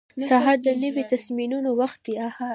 سهار د نوي تصمیمونو وخت دی.